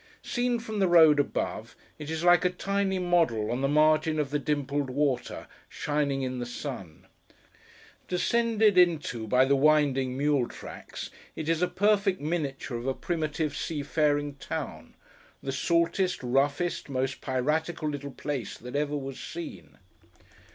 Seen from the road above, it is like a tiny model on the margin of the dimpled water, shining in the sun. Descended into, by the winding mule tracks, it is a perfect miniature of a primitive seafaring town; the saltest, roughest, most piratical little place that ever was seen.